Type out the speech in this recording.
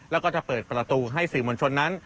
แล้วก็จะเปิดประตูให้สื่อมวลชนนั้น